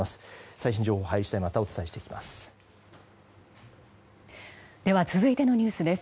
最新情報が入り次第またお伝えしていきます。